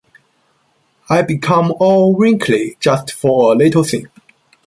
I become all wrinkly just for a little thing.